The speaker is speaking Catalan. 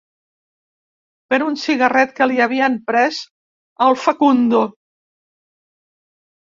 Per un cigarret que li havien pres al Facundo.